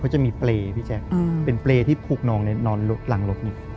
จะมีเปรย์พี่แจ๊คเป็นเปรย์ที่ผูกน้องนอนหลังรถนี่